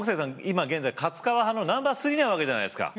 今現在勝川派のナンバー３なわけじゃないですか。